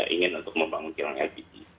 ingin untuk membangun kilang lpg